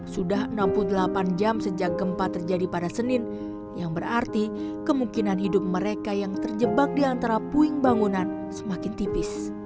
sudah enam puluh delapan jam sejak gempa terjadi pada senin yang berarti kemungkinan hidup mereka yang terjebak di antara puing bangunan semakin tipis